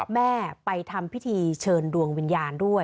แม่ไปทำพิธีเชิญดวงวิญญาณด้วย